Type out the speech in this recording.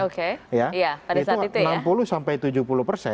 oke pada saat itu ya